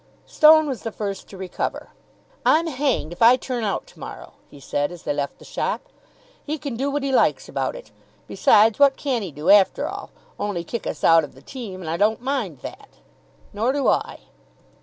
Stone was the first to recover. "I'm hanged if I turn out to morrow," he said, as they left the shop. "He can do what he likes about it. Besides, what can he do, after all? Only kick us out of the team. And I don't mind that." "Nor do I."